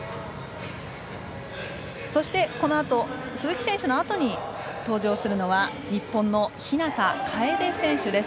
そしてこのあと鈴木選手のあとに登場するのは日本の日向楓選手です。